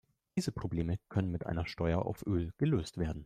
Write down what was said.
Diese Probleme können mit einer Steuer auf Öl gelöst werden.